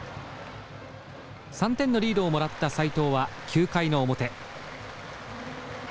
３点のリードをもらった斎藤は９回の表。